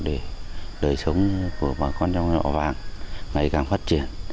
để đời sống của bà con dòng họ vàng ngày càng phát triển